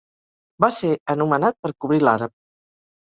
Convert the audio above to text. Va ser anomenat per cobrir l"àrab.